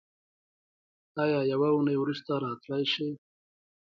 ایا یوه اونۍ وروسته راتلی شئ؟